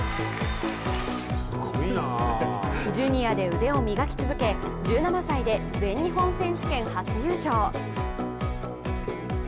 ジュニアで腕を磨き続け、１７歳で全日本選手権初優勝。